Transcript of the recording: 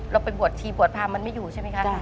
เราไปบวชทีบวชพามันไม่อยู่ใช่ไหมคะ